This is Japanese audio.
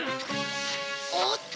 おっと！